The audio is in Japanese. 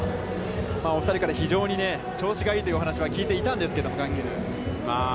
お二人から非常に調子がいいというお話は聞いていたんですけど、ガンケルは。